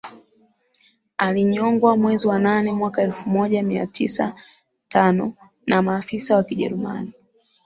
Alinyongwa mwezi wa nane mwaka elfu moja mia tisa tano na maafisa wa kijerumani